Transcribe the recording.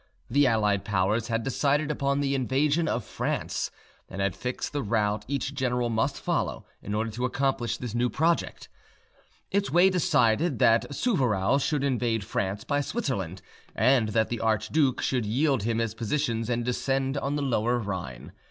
The Allied Powers had decided upon the invasion of France, and had fixed the route each general must follow in order to accomplish this new project. It way decided that Souvarow should invade France by Switzerland, and that the arch duke should yield him his positions and descend on the Lower Rhine.